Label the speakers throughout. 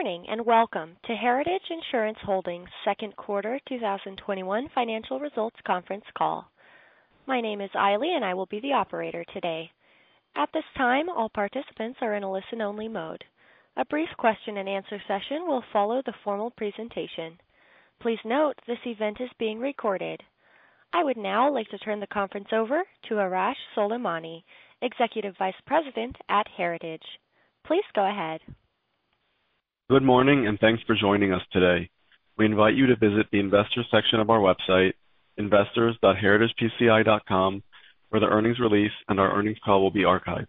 Speaker 1: Good morning, and welcome to Heritage Insurance Holdings' second quarter 2021 financial results conference call. My name is Ailey, and I will be the operator today. At this time, all participants are in a listen-only mode. A brief question and answer session will follow the formal presentation. Please note this event is being recorded. I would now like to turn the conference over to Arash Soleimani, Executive Vice President at Heritage. Please go ahead.
Speaker 2: Good morning and thanks for joining us today. We invite you to visit the investors section of our website, investors.heritagepci.com, where the earnings release and our earnings call will be archived.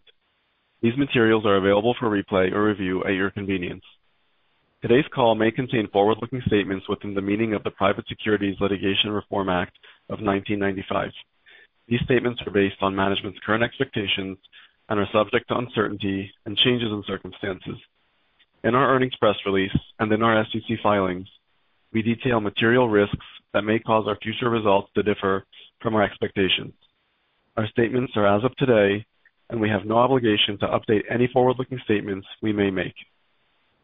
Speaker 2: These materials are available for replay or review at your convenience. Today's call may contain forward-looking statements within the meaning of the Private Securities Litigation Reform Act of 1995. These statements are based on management's current expectations and are subject to uncertainty and changes in circumstances. In our earnings press release and in our SEC filings, we detail material risks that may cause our future results to differ from our expectations. Our statements are as of today. We have no obligation to update any forward-looking statements we may make.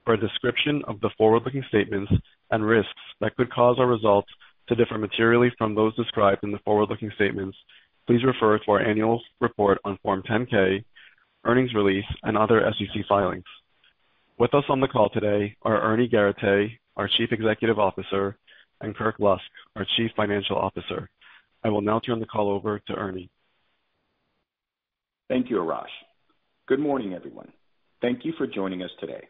Speaker 2: For a description of the forward-looking statements and risks that could cause our results to differ materially from those described in the forward-looking statements, please refer to our annual report on Form 10-K, earnings release, and other SEC filings. With us on the call today are Ernie Garateix, our Chief Executive Officer, and Kirk Lusk, our Chief Financial Officer. I will now turn the call over to Ernie.
Speaker 3: Thank you, Arash. Good morning, everyone. Thank you for joining us today.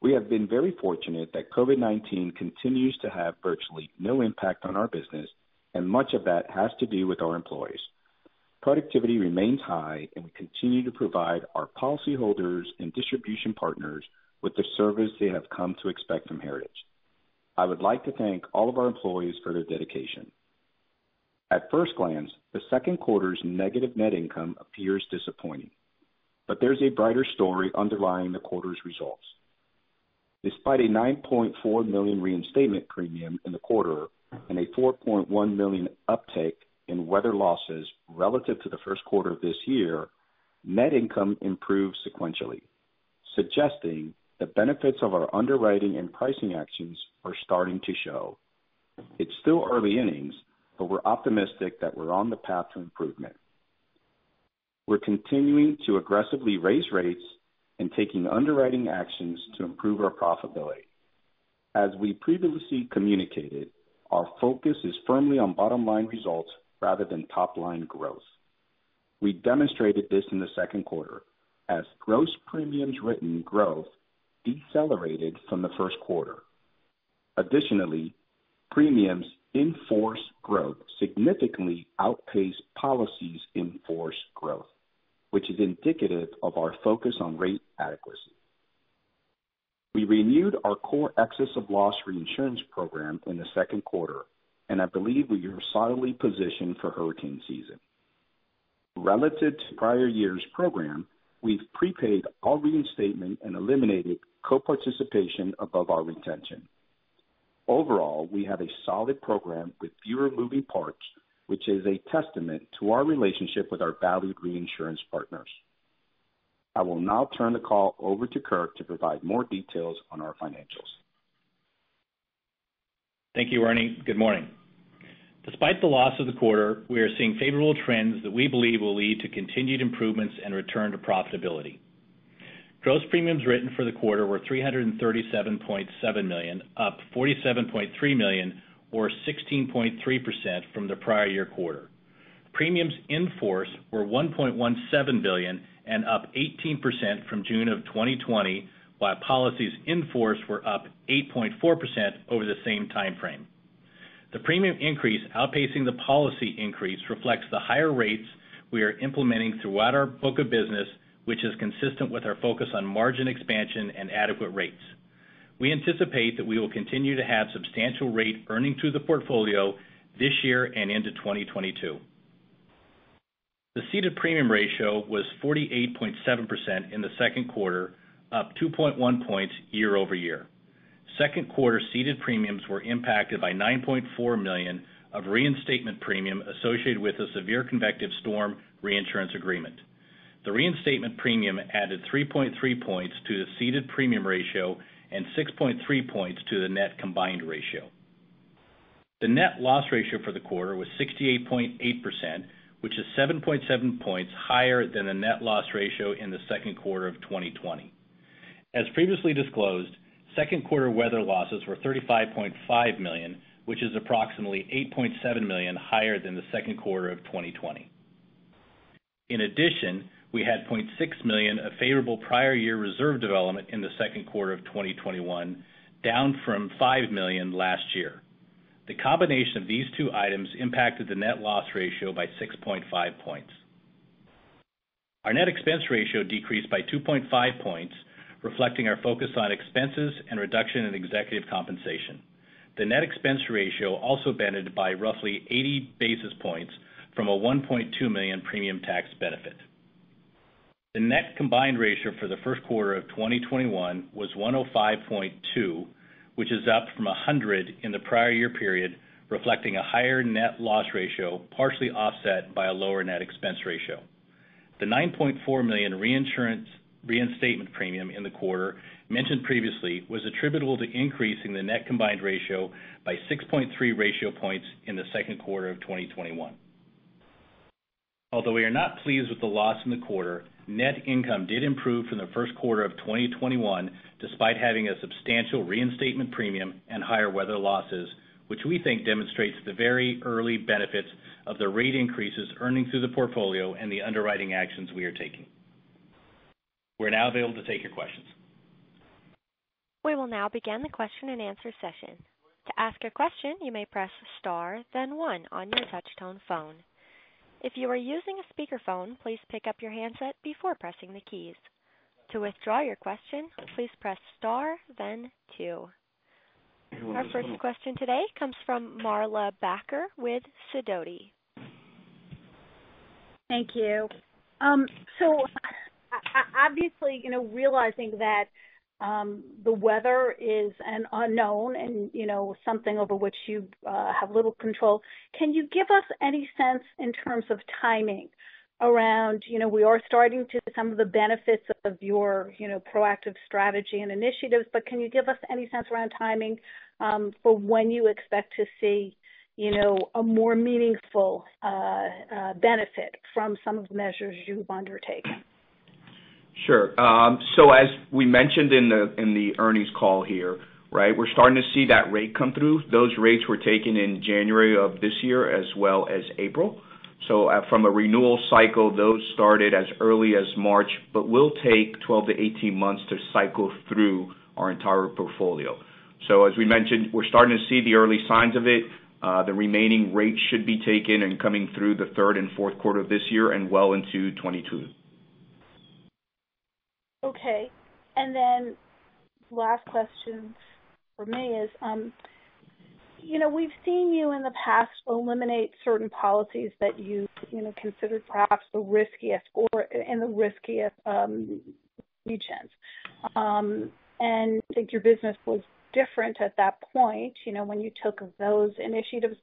Speaker 3: We have been very fortunate that COVID-19 continues to have virtually no impact on our business. Much of that has to do with our employees. Productivity remains high. We continue to provide our policyholders and distribution partners with the service they have come to expect from Heritage. I would like to thank all of our employees for their dedication. At first glance, the second quarter's negative net income appears disappointing. There's a brighter story underlying the quarter's results. Despite a $9.4 million reinstatement premium in the quarter. A $4.1 million uptick in weather losses relative to the first quarter of this year, net income improved sequentially, suggesting the benefits of our underwriting and pricing actions are starting to show. It's still early innings. We're optimistic that we're on the path to improvement. We're continuing to aggressively raise rates and taking underwriting actions to improve our profitability. As we previously communicated, our focus is firmly on bottom-line results rather than top-line growth. We demonstrated this in the second quarter as gross premiums written growth decelerated from the first quarter. Additionally, premiums in force growth significantly outpaced policies in force growth, which is indicative of our focus on rate adequacy. We renewed our core excess of loss reinsurance program in the second quarter, and I believe we are solidly positioned for hurricane season. Relative to prior year's program, we've prepaid all reinstatement and eliminated co-participation above our retention. Overall, we have a solid program with fewer moving parts, which is a testament to our relationship with our valued reinsurance partners. I will now turn the call over to Kirk to provide more details on our financials.
Speaker 4: Thank you, Ernie. Good morning. Despite the loss of the quarter, we are seeing favorable trends that we believe will lead to continued improvements and return to profitability. Gross premiums written for the quarter were $337.7 million, up $47.3 million or 16.3% from the prior year quarter. Premiums in force were $1.17 billion and up 18% from June of 2020, while policies in force were up 8.4% over the same time frame. The premium increase outpacing the policy increase reflects the higher rates we are implementing throughout our book of business, which is consistent with our focus on margin expansion and adequate rates. We anticipate that we will continue to have substantial rate earning through the portfolio this year and into 2022. The ceded premium ratio was 48.7% in the second quarter, up 2.1 points year-over-year. Second quarter ceded premiums were impacted by $9.4 million of reinstatement premium associated with the severe convective storm reinsurance agreement. The reinstatement premium added 3.3 points to the ceded premium ratio and 6.3 points to the net combined ratio. The net loss ratio for the quarter was 68.8%, which is 7.7 points higher than the net loss ratio in the second quarter of 2020. As previously disclosed, second quarter weather losses were $35.5 million, which is approximately $8.7 million higher than the second quarter of 2020. In addition, we had $0.6 million of favorable prior year reserve development in the second quarter of 2021, down from $5 million last year. The combination of these two items impacted the net loss ratio by 6.5 points. Our net expense ratio decreased by 2.5 points, reflecting our focus on expenses and reduction in executive compensation. The net expense ratio also benefited by roughly 80 basis points from a $1.2 million premium tax benefit. The net combined ratio for the first quarter of 2021 was 105.2, which is up from 100 in the prior year period, reflecting a higher net loss ratio, partially offset by a lower net expense ratio. The $9.4 million reinsurance reinstatement premium in the quarter mentioned previously was attributable to increasing the net combined ratio by 6.3 ratio points in the second quarter of 2021. Although we are not pleased with the loss in the quarter, net income did improve from the first quarter of 2021, despite having a substantial reinstatement premium and higher weather losses, which we think demonstrates the very early benefits of the rate increases earnings through the portfolio and the underwriting actions we are taking. We're now available to take your questions.
Speaker 1: We will now begin the question and answer session. To ask a question, you may press star then one on your touch-tone phone. If you are using a speakerphone, please pick up your handset before pressing the keys. To withdraw your question, please press star then two. Our first question today comes from Marla Backer with Sidoti.
Speaker 5: Thank you. Obviously, realizing that the weather is an unknown and something over which you have little control, can you give us any sense in terms of timing around, we are starting to see some of the benefits of your proactive strategy and initiatives, but can you give us any sense around timing for when you expect to see a more meaningful benefit from some of the measures you've undertaken?
Speaker 3: Sure. As we mentioned in the earnings call here, we're starting to see that rate come through. Those rates were taken in January of this year as well as April. From a renewal cycle, those started as early as March but will take 12-18 months to cycle through our entire portfolio. As we mentioned, we're starting to see the early signs of it. The remaining rates should be taken and coming through the third and fourth quarter of this year and well into 2022.
Speaker 5: Okay. Then last question from me is, we've seen you in the past eliminate certain policies that you considered perhaps the riskiest or in the riskiest regions. I think your business was different at that point, when you took those initiatives.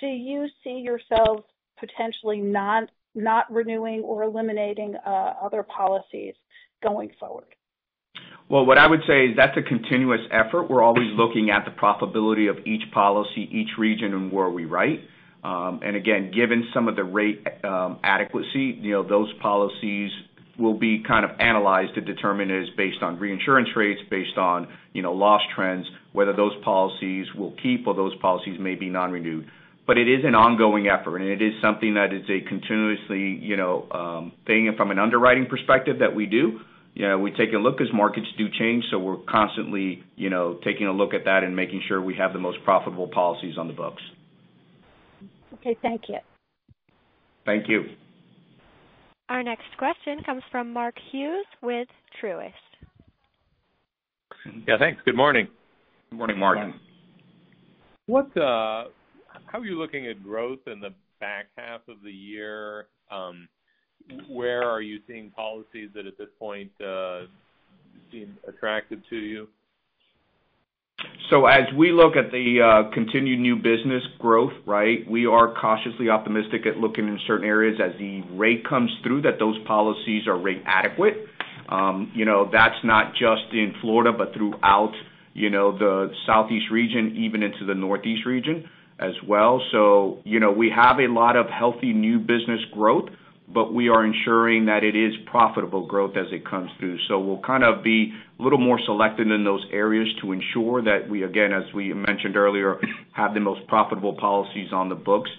Speaker 5: Do you see yourself potentially not renewing or eliminating other policies going forward?
Speaker 3: What I would say is that's a continuous effort. We're always looking at the profitability of each policy, each region, and where we write. Again, given some of the rate adequacy, those policies will be kind of analyzed to determine as based on reinsurance rates, based on loss trends, whether those policies we'll keep or those policies may be non-renewed. It is an ongoing effort, and it is something that is a continuously, thinking from an underwriting perspective that we do. We take a look as markets do change, we're constantly taking a look at that and making sure we have the most profitable policies on the books.
Speaker 5: Okay. Thank you.
Speaker 3: Thank you.
Speaker 1: Our next question comes from Mark Hughes with Truist.
Speaker 6: Yeah, thanks. Good morning.
Speaker 3: Good morning, Mark.
Speaker 6: How are you looking at growth in the back half of the year? Where are you seeing policies that at this point seem attractive to you?
Speaker 3: As we look at the continued new business growth, we are cautiously optimistic at looking in certain areas as the rate comes through that those policies are rate adequate. That's not just in Florida, but throughout the Southeast region, even into the Northeast region as well. We have a lot of healthy new business growth, but we are ensuring that it is profitable growth as it comes through. We'll kind of be a little more selective in those areas to ensure that we, again, as we mentioned earlier, have the most profitable policies on the books.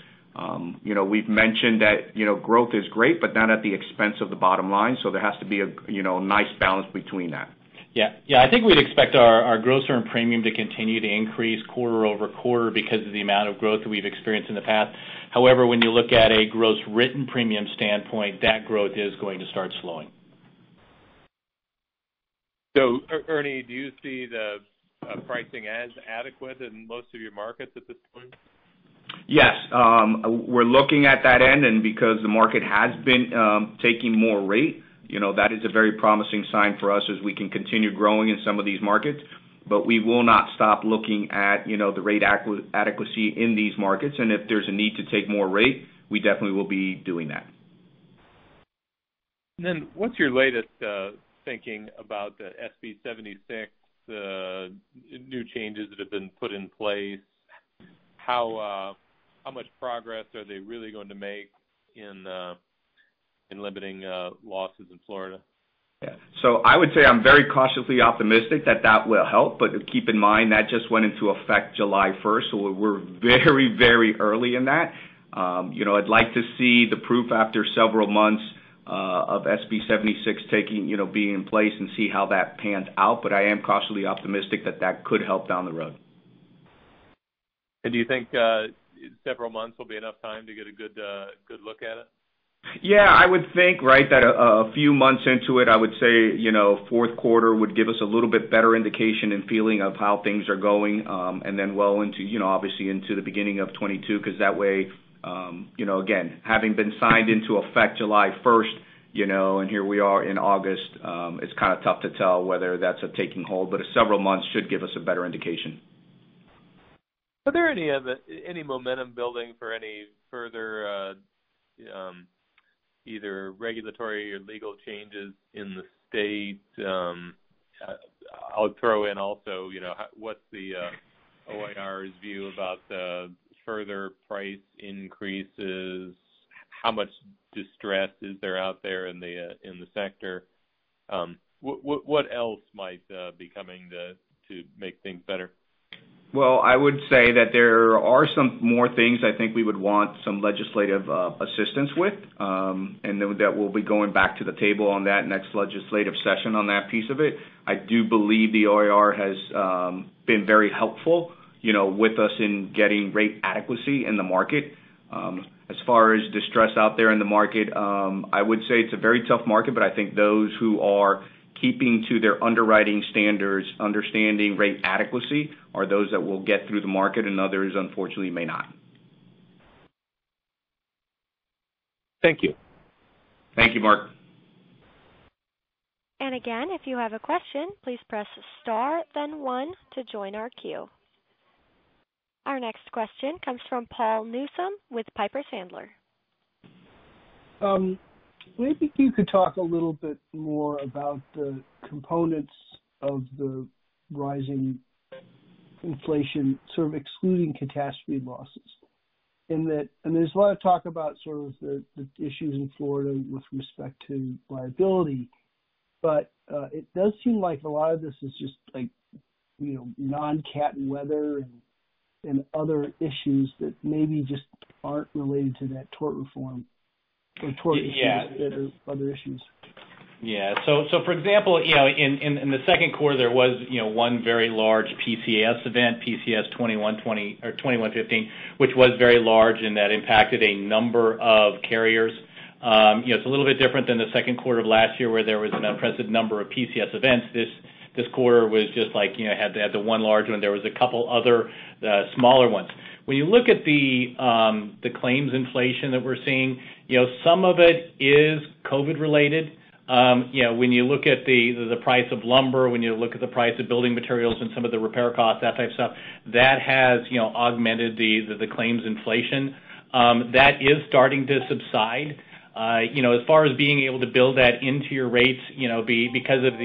Speaker 3: We've mentioned that growth is great, but not at the expense of the bottom line. There has to be a nice balance between that.
Speaker 4: I think we'd expect our gross earned premium to continue to increase quarter-over-quarter because of the amount of growth we've experienced in the past. However, when you look at a gross written premium standpoint, that growth is going to start slowing.
Speaker 6: Ernie, do you see the pricing as adequate in most of your markets at this point?
Speaker 3: We're looking at that end, because the market has been taking more rate, that is a very promising sign for us as we can continue growing in some of these markets. We will not stop looking at the rate adequacy in these markets, and if there's a need to take more rate, we definitely will be doing that.
Speaker 6: What's your latest thinking about the SB 76 new changes that have been put in place? How much progress are they really going to make in limiting losses in Florida?
Speaker 3: I would say I'm very cautiously optimistic that that will help, but keep in mind, that just went into effect July 1st. We're very early in that. I'd like to see the proof after several months of SB 76 being in place and see how that pans out, but I am cautiously optimistic that that could help down the road.
Speaker 6: Do you think several months will be enough time to get a good look at it?
Speaker 3: Yeah. I would think that a few months into it, I would say, fourth quarter would give us a little bit better indication and feeling of how things are going, well into obviously into the beginning of 2022, because that way, again, having been signed into effect July 1st, here we are in August, it's kind of tough to tell whether that's taking hold, but several months should give us a better indication.
Speaker 6: Are there any momentum building for any further, either regulatory or legal changes in the state? I'll throw in also, what's the OIR's view about the further price increases? How much distress is there out there in the sector? What else might be coming to make things better?
Speaker 3: Well, I would say that there are some more things I think we would want some legislative assistance with. That we'll be going back to the table on that next legislative session on that piece of it. I do believe the OIR has been very helpful with us in getting rate adequacy in the market. As far as distress out there in the market, I would say it's a very tough market, but I think those who are keeping to their underwriting standards, understanding rate adequacy, are those that will get through the market, and others, unfortunately, may not.
Speaker 6: Thank you.
Speaker 3: Thank you, Mark.
Speaker 1: Again, if you have a question, please press star then one to join our queue. Our next question comes from Paul Newsome with Piper Sandler.
Speaker 7: Maybe you could talk a little bit more about the components of the rising inflation, sort of excluding catastrophe losses. There's a lot of talk about sort of the issues in Florida with respect to liability. It does seem like a lot of this is just non-cat weather and other issues that maybe just aren't related to that tort reform or
Speaker 3: Yeah
Speaker 7: other issues.
Speaker 3: Yeah. For example, in the second quarter, there was one very large PCS event, PCS 2115, which was very large, and that impacted a number of carriers. It's a little bit different than the second quarter of last year, where there was an unprecedented number of PCS events. This quarter was just like, had the one large one. There was a couple other smaller ones. When you look at the claims inflation that we're seeing, some of it is COVID-19 related. When you look at the price of lumber, when you look at the price of building materials and some of the repair costs, that type of stuff, that has augmented the claims inflation. That is starting to subside. As far as being able to build that into your rates, because of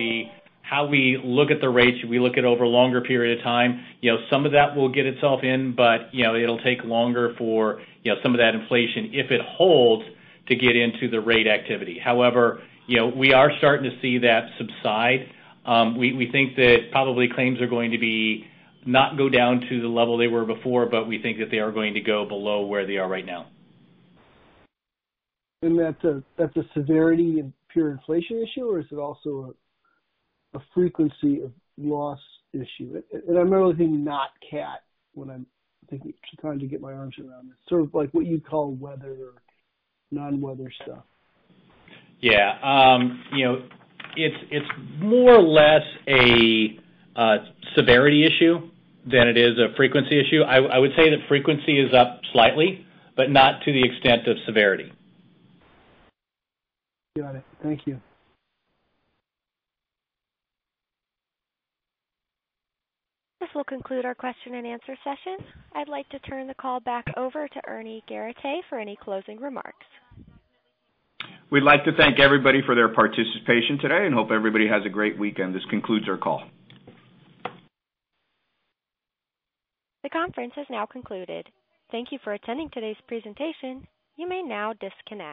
Speaker 3: how we look at the rates, we look at over a longer period of time, some of that will get itself in. It'll take longer for some of that inflation, if it holds, to get into the rate activity. However, we are starting to see that subside. We think that probably claims are going to be, not go down to the level they were before, but we think that they are going to go below where they are right now.
Speaker 7: That's a severity and pure inflation issue, or is it also a frequency of loss issue? I'm only thinking not cat when I'm thinking, trying to get my arms around this. Sort of like what you'd call weather or non-weather stuff.
Speaker 3: Yeah. It's more or less a severity issue than it is a frequency issue. I would say that frequency is up slightly, not to the extent of severity.
Speaker 7: Got it. Thank you.
Speaker 1: This will conclude our question and answer session. I'd like to turn the call back over to Ernesto Garateix for any closing remarks.
Speaker 3: We'd like to thank everybody for their participation today and hope everybody has a great weekend. This concludes our call.
Speaker 1: The conference has now concluded. Thank you for attending today's presentation. You may now disconnect.